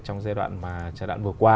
trong giai đoạn mà giai đoạn vừa qua